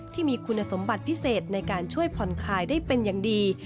ที่มีคุณสมบัติพิเศษในการช่วยผ่อนคลายได้เป็นอย่างดี